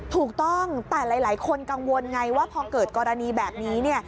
ถูกต้องแต่หลายคนกังวลไงว่าพอเกิดกรณีแบบนี้